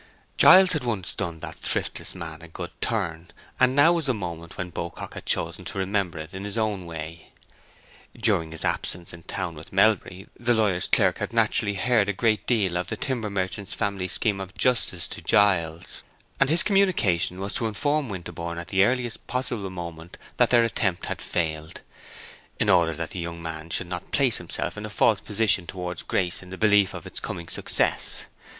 Giles had once done that thriftless man a good turn, and now was the moment when Beaucock had chosen to remember it in his own way. During his absence in town with Melbury, the lawyer's clerk had naturally heard a great deal of the timber merchant's family scheme of justice to Giles, and his communication was to inform Winterborne at the earliest possible moment that their attempt had failed, in order that the young man should not place himself in a false position towards Grace in the belief of its coming success.